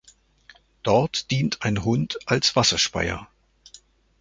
Dort dient ein Hund als Wasserspeier.